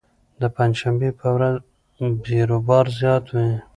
د پنجشنبې په ورځ بېروبار زیات وي.